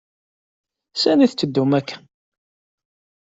Sani tetteddum akk-a?